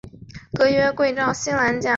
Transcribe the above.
本片为尼可拉斯的第四部长片。